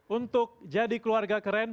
untuk jadi keluarga keren